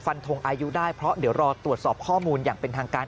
ทงอายุได้เพราะเดี๋ยวรอตรวจสอบข้อมูลอย่างเป็นทางการ